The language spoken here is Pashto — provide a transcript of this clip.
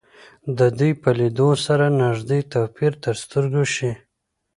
د دوی په لیدو سره لږ توپیر تر سترګو شي